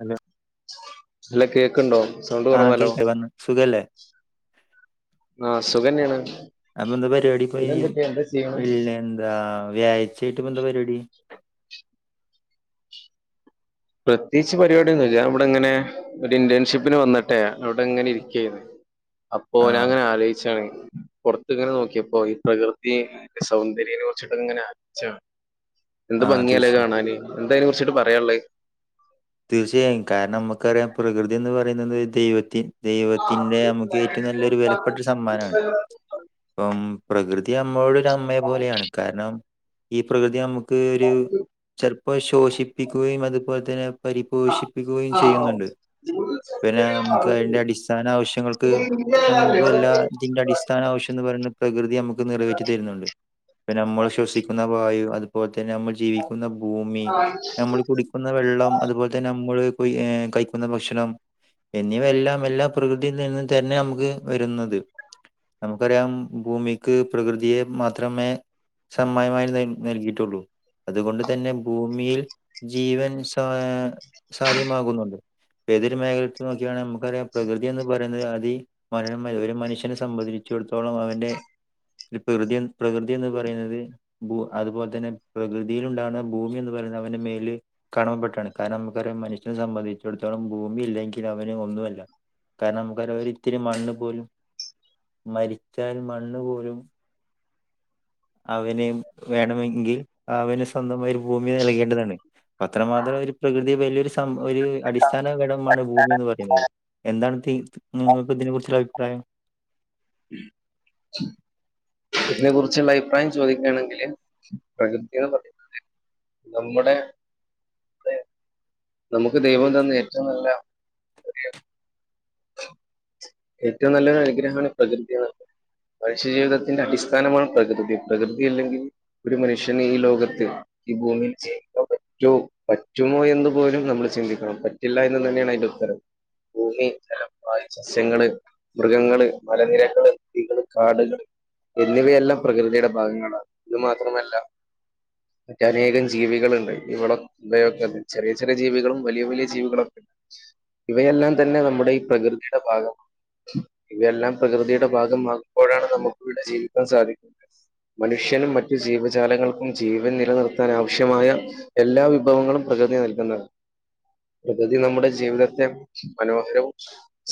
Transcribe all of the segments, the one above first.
Hello അല്ല. കേക്കുണ്ടോ sound ആഹ് കുറവാലോ. കേക്ക പറഞ്ഞോ സുഖല്ലേ ആ സുഖനെയാണ്. അപ്പൊ എന്താ പരിപാടിപ്പോയി വെള്ള എന്താ വ്യാഴാ ചേട്ട് പ്പ ന്താ പരിപാടി. പ്രത്യേകിച്ച് പരിപാടിയൊന്നുല്ല ഇവിടെങ്ങനെ ഒരു ഇന്റേൺഷിപ്പിന് വന്നിട്ട്. അവിടെ ഇങ്ങനെ ഇരിക്കരുന്നു. അപ്പോ ഞാൻ ആഹ് ഇങ്ങനെ ആലോച്ചാണ്. പുറത്ത് ഇങ്ങനെ നോക്കിയപ്പോ ഈ പ്രകൃതി സൗന്ദര്യനെ കുറിച്ച് ഇങ്ങനെ അലോച്ചാണ്. എന്ത് ആഹ് ഭംഗിയല്ലേ തീർച്ചയായും കാണാന്. എന്ത അതിനെ കുറിച്ചിട്ട് പറയാനുള്ളേ. തീർച്ചയായും. കാരണം നമുക്കറിയാം? പ്രകൃതി എന്ന് പറയുന്നത്. ദൈവത്തി ദൈവത്തിൻ്റെ നമുക്ക് ഏറ്റവും നല്ലൊരു വിലപ്പെട്ടൊരു സമ്മാനമാണ്. അപ്പം പ്രകൃതി നമ്മളോട് ഒരു അമ്മയെ പോലെയാണ് കാരണം. ഈ പ്രകൃതി നമുക്ക് ഒരു ചിലപ്പോ ശോഷിപ്പിക്കുകയും. അതുപോലെ തന്നെ പരിപോഷിപ്പിക്കുകയും ചെയ്യുന്നുണ്ട്. പിന്നെ നമുക്ക് അതിന്റെ അടിസ്ഥാന ആവശ്യങ്ങൾക്ക്, നമുക്ക് എല്ലാ ഇതിന്റെ അടിസ്ഥാന ആവശ്യം എന്ന് പറയുന്നത്.. പ്രകൃതി നമുക്ക് നിറവേറ്റി തരുന്നുണ്ട്. പിന്നെ നമ്മൾ ശ്വസിക്കുന്ന വായു അതുപോലെ പിന്നെ നമ്മൾ ജീവിക്കുന്ന ഭൂമി. ആ നമ്മൾ കുടിക്കുന്ന വെള്ളം, അതുപോലെ തന്നെ നമ്മള് കയിക്കുന്ന ഭക്ഷണം. എന്നിവയെല്ലാം എല്ലാം പ്രകൃതിയിൽ നിന്നും തന്നെ നമുക്ക് വരുന്നത്, നമുക്കറിയാം ഭൂമിക്ക് പ്രകൃതിയെ മാത്രമേ സമ്മമായി നൽകിയിട്ടുള്ളൂ അതുകൊണ്ട് തന്നെ ഭൂമിയിൽ ജീവൻ [unintelligible] സാധ്യമാകുന്നുണ്ട്. ഏതൊരു മേഖല ടുത്ത് നോ യാണ് നമുക്കറിയാം, പ്രകൃതി എന്ന് പറയുന്നത്. അതി മരണം വരെ ഒരു മനുഷ്യനെ സംബന്ധിച്ചിടത്തോളം അവന്റെ ഒരു പ്രകൃതി പ്രകൃതി എന്ന് പറയുന്നത്. ഭു അതുപോലെ തന്നെ പ്രകൃതിയിൽ ഉണ്ടാകുന്ന. ഭൂമി എന്ന് പറ അവനെ മേലേ കാണാപ്പെട്ട ണ് കനം നമുക്ക് ഒരു മനുഷ്യനെ സംബന്ധിച്ചിടത്തോളം ഭൂമി ഇല്ലെങ്കിൽ അവന് ഒന്നുമല്ല. കാരണം നമുക്ക് ഇത്തിരി മണ്ണ് പോലും മരിച്ചാല് മണ്ണും പോലും. അവന് വേണമെങ്കിൽ അവന് സ്വന്തമായി ഒരു ഭൂമി നൽകേണ്ടതാണ്. പത്ര മാത്രേ പ്രകൃതി വലിയൊരു സംഭ ഒരു അടിസ്ഥാനഘടമാണ് ഭൂമി എന്ന് പറയുന്നത് എന്താണ് തി നിങ്ങക്ക് ഇതിനെ കുറിച്ചുള്ള അഭിപ്രായം. ഇതിനെ കുറിച്ചുള്ള അഭിപ്രായം ചോദിക്കുകയാണെങ്കില് പ്രകൃതി എന്ന് പറയുന്നത്. നമ്മുടെ ഇദ് നമുക്ക് ദൈവം തന്നെ ഏറ്റവും നല്ല ഒരു [unintelligible] ഏറ്റവും നല്ലൊരു അനുഗ്രഹമാണ് പ്രകൃതിയാണ് മനുഷ്യജീവിതത്തിന്റെ അടിസ്ഥാനമാണ് പ്രകൃതി. പ്രകൃതിയില്ലെങ്കിൽ ഒരു മനുഷ്യന് ഈ ലോകത്ത് ഈ ഭൂമിയിൽ ജയിക്കാൻ പറ്റോ പറ്റുമോ എന്ന് പോലും നമ്മൾ ചിന്തിക്കണം. പറ്റില്ല എന്ന് തന്നെയാണ് തിൻ്റെ ഉ ഭൂമി, ജലം, വായു, സസ്യങ്ങള്, മൃഗങ്ങള് മലനിരകള് കാടുകൾ എന്നിവയെല്ലാം. പ്രകൃതിയുടെ ഭാഗങ്ങളാണ്, ഇതു മാത്രമല്ല മറ്റ് അനേകം ജീവികളുണ്ട്, ഇവിടെ യൊക്കെ ചെറിയ ചെറിയ ജീവികളും, വലിയ വലിയ ജീവികളും ഇവയെല്ലാം തന്നെ നമ്മുടെ ഈ പ്രകൃതിയുടെ ഭാഗമാ ഇവയെല്ലാം പ്രകൃതിയുടെ ഭാഗമാകുമ്പോഴാണ്, നമുക്ക് ഇവിടെ ജീവിക്കാൻ, സാധിക്കുന്നത്. മനുഷ്യനും മറ്റു ജീവജാലങ്ങൾക്കും ജീവൻ നിലനിർത്താൻ ആവശ്യമായ എല്ലാ വിഭവങ്ങളും പ്രകൃതി നൽകുന്നത്ത പ്രകൃതി നമ്മുടെ ജീവിതത്തെ മനോഹരവും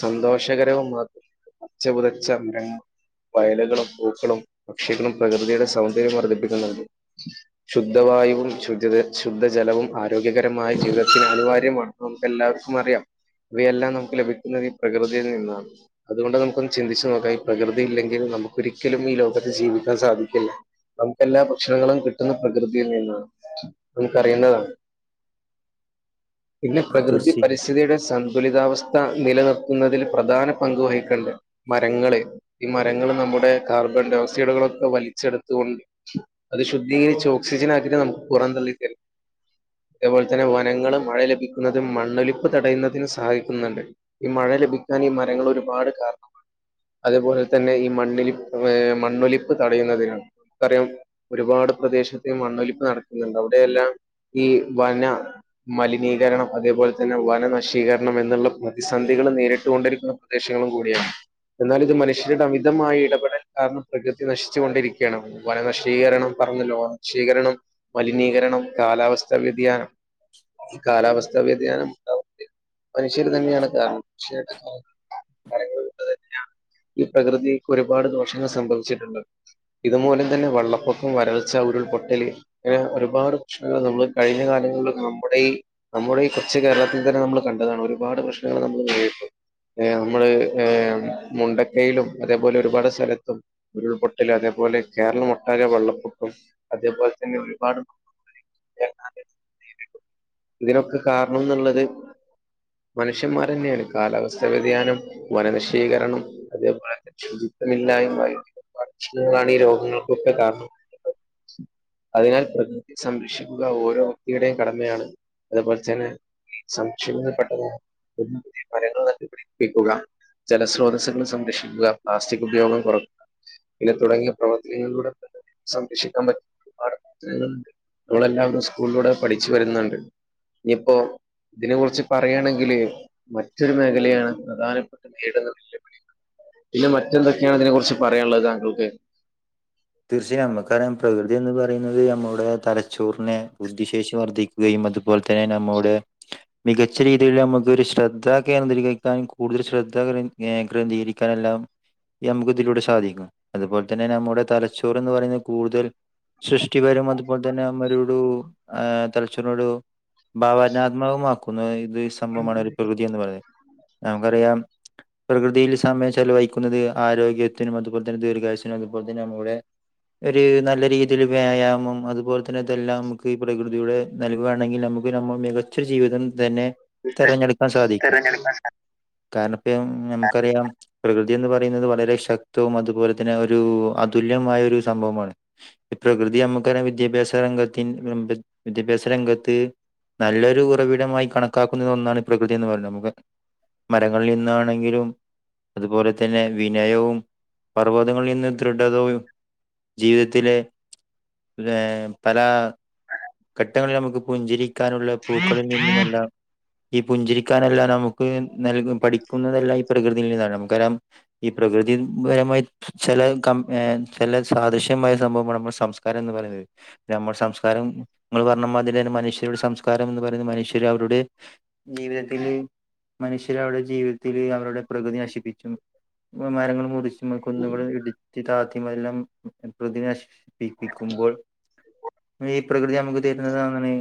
സന്തോഷകരവും മാത്ര പച്ച പുതച്ച അമ്പരങ്ങൾ വയലുകളും പൂക്കളും പക്ഷികളും പ്രകൃതിയുടെ സൗന്ദര്യം വർദ്ധിപ്പിക്കുന്നുണ്ട് ശുദ്ധവാ വായുവും ശുദ് ശുദ്ധജലവും ആരോഗ്യകരമായ ജീവിതത്തിന് അനിവാര്യമാണ് നമുക്ക് എല്ലാവർക്കും അറിയാം ഇവയെല്ലാം നമുക്ക് ലഭിക്കുന്നതി പ്രകൃതിയിൽ നിന്നാണ് അതുകൊണ്ട് നമുക്കൊന്ന് ചിന്തിച്ചച്ച് നോക്കാം ഈ പ്രകൃതി ഇല്ലെങ്കിൽ നമുക്കൊരിക്കലും ഈ ലോകത്ത് ജീവിക്ക ക്കാൻ സാധിക്കില്ല നമുക്ക് എല്ലാ ഭക്ഷണങ്ങളും കിട്ടുന്ന പ്രകൃതിയിൽ നിന്നാണ് നമുക്ക് അറിയേണ്ടതാണ് പിന്നെ പ്രകൃതി തീർച്ചയായും പരിസ്ഥിതിയുടെ സന്തുലിതാവസ്ഥ നിലനിർത്ത തിൽ പ്രധാന പങ്ക് വഹിക്കേണ്ട് മരങ്ങള് ഈ മരങ്ങള് നമ്മുടെ കാർബൺ ഡയോക്സൈഡുകളും വലിച്ചെടുത്തൊണ്ട് അത് ശുദ്ധീകരിച്ച് ഓക്സിജൻ ആക്കിട്ട് നമുക്ക് പുറം തള്ളി തും അതേപോലെ തന്നെ വനങ്ങള് മഴ ലഭിക്കുന്നതിനും മണ്ണൊലിപ്പ് തടയുന്നതിനും സഹായിക്കുന്നുണ്ട് ഈ മഴ ലഭിക്കാൻ ഈ മരങ്ങൾ ഒരുപാട് കാരണമാണ് അതുപോലെ തന്നെ ഈ മണ്ണലിപ്പ് ഏ മണ്ണൊലിപ്പ് തടയുന്നതിനന് നമുക്കറിയാം ഒരുപാട് ടെ പ്രദേശത്ത മണ്ണൊലിപ്പ് നടക്കുന്നുണ്ട് അവിടെയെല്ലാം ഈ വന മലിനീകരണം അതേപോലെ തന്നെ വനനശീകരണം എന്നുള്ള പ്രതി സന്ധികളൾ നേരിട്ടുകൊണ്ടിരിക്കുന്ന പ്രദേശങ്ങളും കൂടിയാണ് എന്നാൽ ഇത് മനുഷ്യരുടെ അമിതമായ ഇടപെടൽ കാരണം പ്രകൃതി നശിച്ചു കൊണ്ടിരിക്കയാണം വനനശീകരണം പറഞ്ഞല്ലോ ഓണക്ഷീകരണം മലിനീകരണം കാലാവസ്ഥ വ്യതിയാനം കാലാവസ്ഥ വ്യതിയാനം ഉണ്ട മനുഷ്യര് തന്നെയാണ് ത പറയ തന്നെയാണ് ഈ പ്രകൃതിക്ക് ഒരുപാട് ദോഷങ്ങൾ സംഭവിച്ചിട്ടുണ്ട് ഇതുമൂല്യം തന്നെ വെള്ളപ്പൊക്കം വരൾച്ച ഉരുൾ പൊട്ടൽ അങ്ങനെ ഒരുപാട് പ്രശ്നങ്ങൾ നമ്മൾ കഴിഞ്ഞ കാലങ്ങള്ല് നമ്മുടെഈ നമ്മുടെ ഈ കൊച്ചുകേ കേരളത്തിൽ തന്നെ നമ്മൾ കണ്ടതാണ് ഒരുപാട് പ്രശ്നങ്ങൾ നമ്മൾ നേരിട്ടു നമ്മള് മുണ്ടക്കയിലും അതേപോലെ ഒരുപാട് സ്ഥലത്തും ഉരുൾപൊട്ടലും അതേപോലെ അത്പോലെ കേരളംമൊട്ടാകെ വെള്ളപ്പൊക്കം അതേപോലെ തന്നെ ഒരുപാട് ഇതിനൊക്കെ കാരണം എന്നുള്ളത് മനുഷ മന്ഷന്മാർ തന്നെയാണ് കാലാവസ്ഥ വ്യതിയാനം വനനിശീകരണം അതേപോലെ തന്നെ ശുചിത്വമില്ലായ്മ വ പ്രശ്നങ്ങളാണ് ഈ രോഗങ്ങൾക്കൊക്കെ കാരണം ശ് അതിനാൽ പ്രകൃ സംരക്ഷിക്കുക ഓരോ വ്യക്തിയുടെയും കടമയാണ് അതുപോലെ തന്നെ സംശയ [unintelligible] പുതിയ പുതിയ മരങ്ങൾ നട്ടുപിടിപ്പിക്കുക ജലസ്രോതസ്സുകൾ സംരക്ഷിക്കുക പ്ലാസ്റ്റിക് ഉപയോഗം കുറയ്ക്കുക പിന്നെ തുടങ്ങിയ പ്രവർത്തനകങ്ങളിലൂടെ സംരക്ഷിക്കാൻ പറ്റുന്ന ഒരുപാട് പ്രവർത്തനങ്ങളുണ്ട് അതെല്ലാം നമ്മൾ സ്കൂളിലൂടെ പഠിച്ചു വരുന്നുണ്ട് ഇനിയിപ്പോ ഇതിനെ കുറിച്ച് പറയയാണെങ്കില് മറ്റൊരു മേഖലയാണ് പ്രധാനപ്പെട്ട നേരിടുന്ന വെല്ലുവിളികൾ പിന്നെ മറ്റെന്തൊക്കെയാണ് അതിനെ കുറിച്ച് പറയാനുള്ളത് താങ്കൾക്ക് തീർച്ചയായ നമ്മു [unintelligible] ഇതന്ന് പറയുന്നത് നമ്മുടെ തലച്ചോറിനെ ബുദ്ധിശേഷി വർദ്ധിക്കുകയും അതുപോലെ തന്നെ നമ്മുടെ മികച്ച രീതിയിൽ നമുക്ക് ഒരു ശ്രദ്ധ കേന്ദ്രീകരിക്കാനും കൂടുതൽ ശ്രദ്ധ കേന്ദ്ര്രീകരിക്കാനും നമുക്ക് ഇതിലൂടെ സാധിക്കും അതുപോലെ തന്നെ നമ്മുടെ തലച്ചോർ എന്ന് പറയുന്ന കൂടുതൽ സൃഷ്ടി വരും അതുപോലെ തന്നെ അ മരൂട് ആ തലച്ചോറ്നോട് ഭാവനാത്മകമാക്കുന്ന ഇത് സംഭവമാണ് ഒരു പ്രകൃതി എന്ന് പറയുന്നത് നമുക്കറിയാം പ്രകൃതിയിൽ സമയം ചില വഹിക്കുന്നത് ആരോഗ്യത്തിനും അതുപോലെ തന്നെ ദീർഘാശനും അതുപോലെ തന്നെ നമ്മുടെ ഒരു നല്ല രീതിയിൽ വ്യായാമം അതുപോലെ തന്നെതെല്ലാം നമുക്ക് ഈ പ്രകൃതിയുടെ നൽവാണെങ്കിൽ നമുക്ക് മ്മ മികച്ച ജീവിതം തന്നെ തെരഞ്ഞെടുക്കാൻ സാധിക്കും കാരണപ്പയും ഞമ്മക്കറിയാം പ്രകൃ ത് ന്ന് പറയുന്നത് വളരെ ശക്തവും അതുപോലെ തന്നെ ഒരു അതുല് കൃത്യമായ ഒരു സംഭവമാണ് ഈ പ്രകൃതി അമ്മക്ക്‌ തരുന്ന വിദ്യാഭ്യാസ രംഗത്തിൻ [unintelligible] വിദ്യാഭ്യാസരംഗ കത്ത് നല്ലൊരു ഉറവിടമായി കണക്കാക്കുന്ന ഒന്നാണ് പ്രകൃതി എന്ന് പറയുന്നത് നമുക്ക് മരങ്ങളിൽ നിന്നാണെങ്കിലും അതുപോലെ തന്നെ വിനയവും പർവ്വതങ്ങളിൽ നിന്ന് ദൃഢതയും ജീവിതത്തിലെ ഏ പല ഘട്ടങ്ങളിൽ നമുക്ക് പുഞ്ചിരിക്കാനുള്ള പൂക്കളിൽ നിന്നുമെല്ലാം ഈ പുഞ്ചിരിക്കാനെല്ലാം നമുക്ക് നൽകും പഠിക്കുന്നതെല്ലാം ഈ പ്രകൃതിയിൽ നിന്നാണ് നമുക്കറിയാം ഈ പ്ര പ്രകൃതിപരമായി ചില ചില സാദൃശ്യമായ സംഭവമാണ് നമ്മുളെ സംസ്കാരം എന്ന് പറയുന്നത് നമ്മുടെ സംസ്കാരം നിങ്ങൾ പറഞ്ഞ മാതിരി ഒരു മനുഷ്യരുടെ സം കരം എന്ന് പറയുന്ന മനുഷ്യര് അവരുടെ ജീവിതത്തില് മനുഷ്യർ അവരുടെ ജീവിതത്തില് അവരുടെ പ്രകൃതി നശിപ്പ് ച്ചും മരങ്ങൾ മുറിച്ചും കുന്നുകൾ ഇടിച്ച് താത്തിതല്ലാം പ്രതി നശിപ്പിപ്പിക്കുമ്പോൾ ഈ പ്രകൃതി നമുക്ക് തരുന്നത് അങ്ങനെ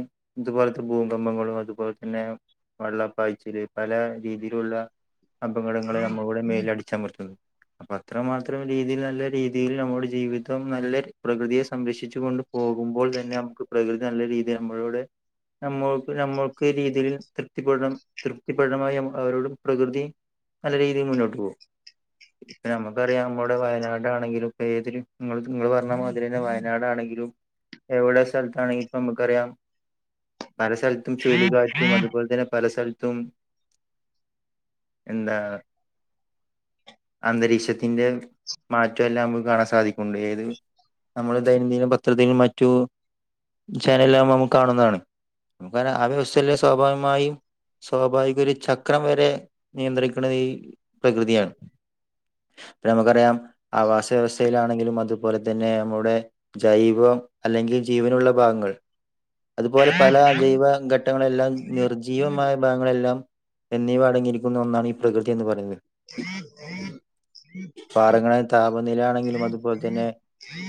ഇതുപോലത്തെ ഭൂകമ്പങ്ങളു അതുപോലെ തന്നെ വെള്ളപ്പായച്ചില് പല രീതിയിലുള്ള അപകടങ്ങളെ നമളുടെ മേലടിച്ചമർത്തുന്നു അപ്പ അത്ര മാത്രം രീതിൽ നല്ല രീതിയിൽ നമ്മുടെ ജീവിതം നല്ല പ്രകൃതിയെ സംരക്ഷിച്ചു കൊണ്ട് പോകുമ്പോൾ തന്നെ നമുക്ക് പ്രകൃതി നല്ല രീതിയിൽ നമ്മളുടെ നമ്മൾക്ക് നമ്മൾക്ക് രീതിയിൽ തൃപ്തിപ്പെടണം തൃപ്തിപ്പെടമായി അവരോട് പ്രകൃതി നല്ല രീതിയിൽ മുന്നോട്ട് പോകും ഇപ്പ നമുക്കറിയാം നമ്മുടെ വയനാടാണെങ്കിലും ഇപ്പൊ ഏതൊ നിങ്ങള് പറഞ്ഞ മാതിരി തന്നെ വയനാടാണെിലും ങ്കിലും എവിടെ സ്ഥലത്ത് ആയിപ്പമ്മ്ക്കറിയാം പല സൽത്തും ചുഴലിക്കാറ്റും അതുപോലെ തന്നെ പല സ്ഥലത്തും എന്താ അന്തരീക്ഷത്തിന്റെ മാറ്റം എല്ലാം നമുക്ക് കാണാൻ സാധിക്കുണ്ട് ഏത് നമ്മള് ദൈനംദിന പത്രതികൾ മറ്റു ചാനലെല്ലാം നമ്മൾ കാണുന്നതാണ് നമുക്ക് ആ വ്യവസ്ഥഎല്ലാം സ്വാഭാവികമായും സ്വാഭാവിക ഒരു ചക്രം വരെ നിയന്ത്രിക്കണത് ഈ പ്രകൃതിയാണ് ഇപ്പ നമുക്കറിയാം ആവാസ വ്യവസ്ഥയിലാണെങ്കിലും അത് അതുപോലെ തന്നെ നമ്മുടെ ജൈവം അല്ലെങ്കിൽ ജീവനുള്ള ഭാഗങ്ങൾ അതുപോലെ പല അജൈവ ഘട്ടങ്ങളെല്ലാം നിർജ്ജീവമായ ഭാഗങ്ങളെല്ലാം എന്നിവ അടങ്ങിയിരിക്കുന്ന ഒന്നാണ് ഈ പ്രകൃതി എന്ന് പറയുന്നത് [inaudible] പാഠങ്ങളെ താപനില ആണെങ്കിലും അതുപോലെ തന്നെ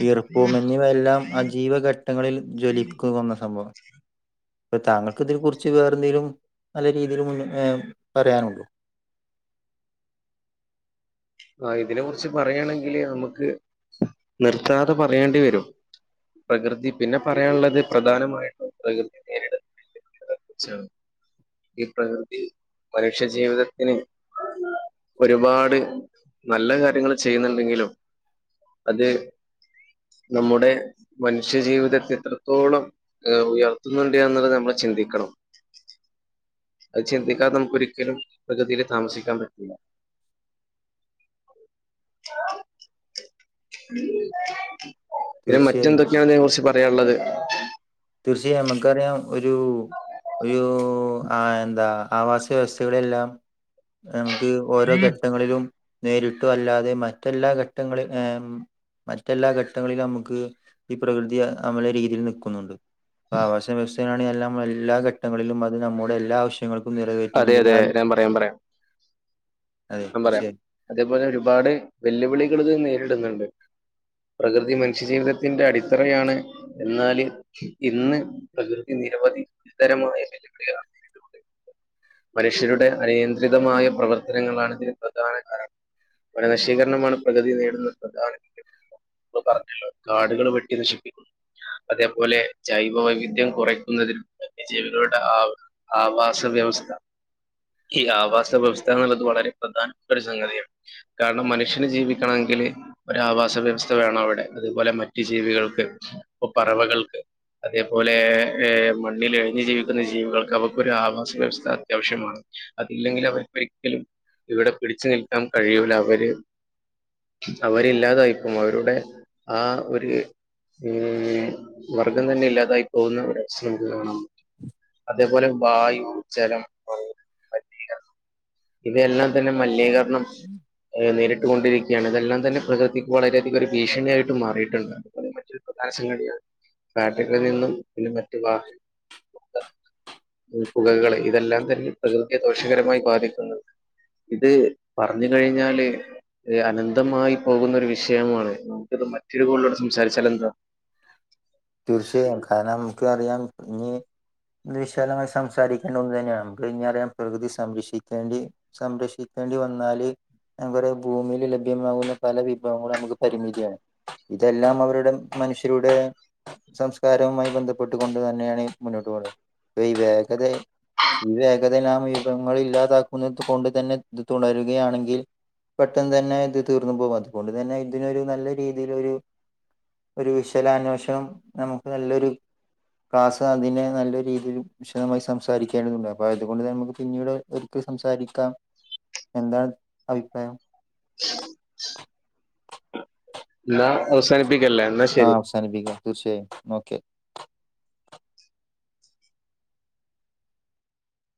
ഈർപ്പവുംഎന്നിവയെല്ലാം അജീവ ഘട്ടങ്ങളിൽ ജ്വലിക്കുന്ന സംഭവം അപ്പൊ താങ്കൾക്ക് ഇതിനെ കുറിച്ച് വേറെ എതെങ്കിലും നല്ല രീതിയിൽ മുന്നേ പറയാനുണ്ടോ [unintelligible] ആ ഇതിനെ കുറിച്ച് പറ യേ ണെങ്കില് നമുക്ക് നിർത്താതെ പറയേണ്ടി വരും പ്രകൃതി പിന്നെ പറയാനുള്ളത് പ്രധാനമായിട്ടും പ്രകൃതി നേരത്തെ ച്ച് ഈ പ്രകൃതി മനുഷ്യ ജീവിതത്തിന് ഒരുപാട് നല്ല കാര്യങ്ങൾ ചെയ്യുന്നുണ്ടെങ്കിലും അത് നമ്മുടെ മനുഷ്യജീവിതത്തെ എത്രത്തോളം ഉയർത്തുന്നുണ്ട് എന്നുള്ളത് നമ്മൾ ചിന്തിക്കണം [unintelligible] അത് ചിന്തിക്കാതെ നമുക്ക് ഒരിക്കലും പ്രകൃതിൽ താമസിക്കാൻ പറ്റൂല [unintelligible] [unintelligible] ഉം പിന്നെ തീർച്ചയായും മറ്റെന്തൊക്കെയാണ് ഇതിനേ കുറിച്ച് പറയാനുള്ളത്? തീർച്ചയായും നമുക്കറിയാം ഒരു ഒരു ആ എന്താ. ആവാസ വ്യവസ്ഥയുടെല്ലാം നമുക്ക് ഓരോ ഘട്ടങ്ങളിലും. നേരിട്ടും അല്ലാതെ മറ്റെല്ലാ ഘട്ടങ്ങളിൽ ഏ. മറ്റെല്ലാ ഘട്ടങ്ങളിലും നമുക്ക് ഈ പ്രകൃതി നമ്മളെ രീതിയിൽ നിൽക്കുന്നുണ്ട്. അപ്പ ആവാസ വ്യവസ്ഥയില് നമ്മുടെ എല്ലാ ഘട്ടങ്ങളിലും അത് നമ്മുടെ എല്ലാ ആവശ്യ ൾക്കും അതെ അതെ നിറവേറ്റുന്നതിനാലും. അതെ ൻ പറയാം തീർച്ചയായും അതേപോലെ ഒരുപാട് വെല്ലുവിളികളെ ഇത് നേരിടുന്നുണ്ട്. പ്രകൃതി മനുഷ്യജീവിതത്തിന്റെ അടിത്തറയാണ് എന്നാല് ഇന്ന് പ്രകൃതി നിരവധി ഇത്തരം. [unintelligible] മനുഷ്യരുടെ അനിയന്ത്രിതമായ പ്രവർത്തനങ്ങളാണ് ഇതിന് പ്രധാന കാരണം. വന നശീകരണമാണ് പ്രകതി നേടുന്ന ഒരു പ്രധാനം. ഇപ്പൊ പറഞ്ഞല്ലോ കാടുകൾ വെട്ടി നശിപ്പിക്കുന്നു. അതേപോലെ ജൈവ വൈവിധ്യം കുറയ്ക്കുന്നതിൽ വിജീവികളുടെ ആ ആവാസ വ്യവസ്ഥ. ഈ ആവാസ വ്യവസ്ഥ എന്ള്ളത് വളരെ പ്രധാന ഒരു സംഗതിയാണ് കാരണം മനുഷ്യന് ജീവിക്കണമെങ്കില് ആവാസ വ്യവസ്ഥ വേണം അവിടെ അതേപോലെ മറ്റ് ജീവികൾക്ക് അപ്പൊ പറവകൾക്ക്. അതേപോലെ മണ്ണില് എഴഞ് ജീവിക്കുന്ന ജീവികൾക്ക് അവക്കൊക്കെ ഒരു ആവാസ വ്യവസ്ഥ. അത്യാവശ്യമാണ് അതില്ലെങ്കിൽ അവർ ഒരിക്കലും ഇവിടെ പിടിച്ചു നിൽക്കാൻ കഴിയൂല അവര് അവരില്ലാതായിപോവും അവരുടെ ആ ഒര്. ഉ വർഗം തന്നെ ഇല്ലാതായി പോകുന്ന ഒരു അവസരം കാണാൻ പറ്റും. അതേപോലെ വായു ജലം. മണ്ണ് മലിനീകരണം ഇവയെല്ലാം തന്നെ മലിനീകരണം നേരിട്ട് ണ്ടിരിക്കുകയാണ് ഇതെല്ലാം തന്നെ പ്രകൃതിക്ക് വളരെയധികം ഒരു ഭീഷണിയായിട്ട് മാറിയിട്ടുണ്ട്. പ്രധാന സംഗതി യാണ് ഫാക്ടറികളിൽ നിന്നും മറ്റ് വാഹനം പുകകള് ഇതെല്ലാം തന്നെ പ്രകൃതിയെ ദോഷകരമായി ബാധിക്കും. ഇത് പറഞ്ഞു കഴിഞ്ഞാല് അനന്തമായി പോകുന്ന ഒരു വിഷയമാണ്. മറ്റൊരു കോളിലുടെ സംസാരിച്ചാലെന്താ? തീർച്ചയായും കാരണം നമുക്ക് അറിയാം ഇന്ന് വിശാലമായി സംസാരിക്കേണ്ട ഒന്ന് തന്നെയാണ് നമുക്ക് ഇനി അറിയാം പ്രകൃതി സംരക്ഷിക്കേണ്ടി സംരക്ഷിക് കേണ്ടി വന്നാല്. നമ്മുടെ ഭൂമിയിൽ ലഭ്യമാകുന്ന പല വിഭവങ്ങളും നമുക്ക് പരിമിതിയാണ് ഇതെല്ലാം അവരുടെ. മനുഷ്യരുടെ സംസ്കാരവുമായി ബന്ധപ്പെട്ടു കൊണ്ട് തന്നെയാണ് മുന്നോട്ട് പോകുന്നത് ഈ വേഗത ഈ വേഗത നാം വിഭവങ്ങൾ ഇല്ലാതാക്കുന്നത് കൊണ്ട് തന്നെ തുടരുകയാണെങ്കിൽ. പെട്ടെന്ന് തന്നെ ഇത് തീർന്നു പോകും അതുകൊണ്ട് തന്നെ ഇതിനൊരു നല്ല രീതിലൊരു ഒരു വിശലാന്വേഷവും നമുക്ക് നല്ലൊരു. ക്ലാസ് അതിനെ നല്ല രീതിയിൽ വിശദമായി സംസാരിക്കേണ്ടതുണ്ട് അപ്പ അതുകൊണ്ട് നമുക്ക് പിന്നീട്ഒരിക്കൽ സംസാരിക്കാം എന്താണ് അഭിപ്രായം. എന്നാ അവസാനിപ് ആഹ് അവസാനിപ്പിക്കാ തീർച്ചയായും ഓക്കെ.